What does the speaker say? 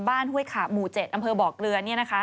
ห้วยขาบหมู่๗อำเภอบ่อเกลือเนี่ยนะคะ